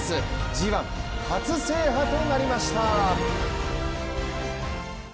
ＧⅠ初制覇となりました。